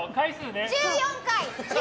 １４回！